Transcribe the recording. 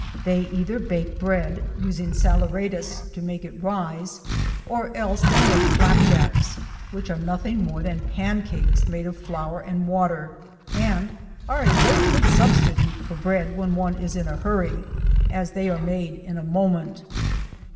They either bake bread, using saleratus to make it rise, or else they make flapjacks, which are nothing more than pancakes made of flour and water, and are a very good substitute for bread when one is in a hurry, as they are made in a moment.